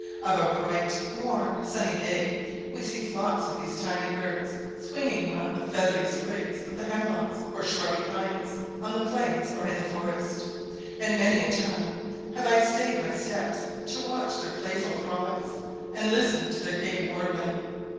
Of a bright warm, sunny day we see flocks of these tiny birds swinging among the feathery sprigs of the hemlocks or shrubby pines on the plains or in the forest; and many a time have I stayed my steps to watch their playful frolics, and listen to their gay warbling.